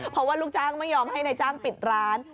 เพราะว่าลูกจ้างไม่ยอมให้นายจ้างปิดร้าน